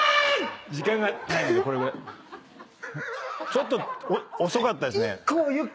ちょっと遅かったですね。